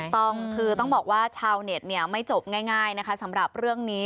ถูกต้องคือต้องบอกว่าชาวเน็ตไม่จบง่ายนะคะสำหรับเรื่องนี้